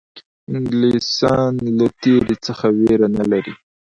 انګلیسیان له تېري څخه وېره نه لري.